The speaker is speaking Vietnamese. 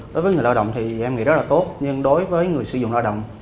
đối với người lao động thì em nghĩ rất là tốt nhưng đối với người sử dụng lao động